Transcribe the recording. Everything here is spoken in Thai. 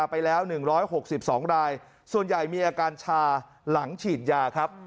ไปแล้ว๑๖๒รายส่วนใหญ่มีอาการชาหลังฉีดยาครับ